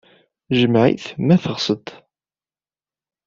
Jmeɛ-it, ma teɣsed-t.